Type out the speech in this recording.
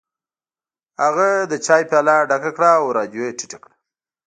هغه د چای پیاله ډکه کړه او رادیو یې ټیټه کړه